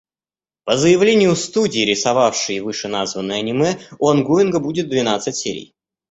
По заявлению студии, рисовавшей вышеназванное аниме, у онгоинга будет двенадцать серий.